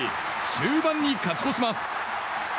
終盤に勝ち越します。